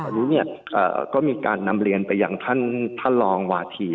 อันนี้ก็มีการนำเรียนไปอย่างท่านท่านลองหวาถี